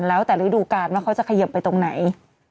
แล้วแต่ฤดูการว่าเขาจะเขยิบไปตรงไหน